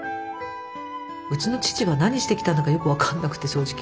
うちの父が何してきたんだかよく分かんなくて正直。